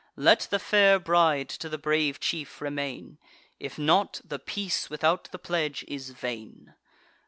Let the fair bride to the brave chief remain; If not, the peace, without the pledge, is vain.